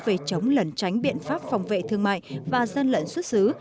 về chống lẩn tránh biện pháp phòng vệ thương mại và gian lận xuất xứ